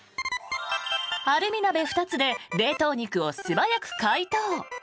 アルミ鍋２つで冷凍肉を素早く解凍。